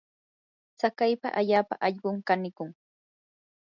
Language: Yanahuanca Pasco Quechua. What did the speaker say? tsakaypa allaapa allqum kanikun.